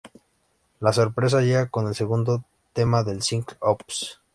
La sorpresa llega con el segundo tema del single, "Oops!...